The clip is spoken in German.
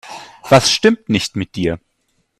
Was stimmt nicht mit dir?